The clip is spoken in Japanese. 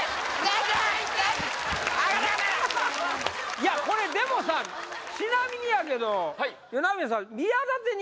いやこれでもさちなみにやけどよなみねさん